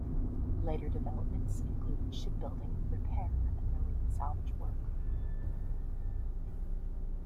Later developments included shipbuilding, repair and marine salvage work.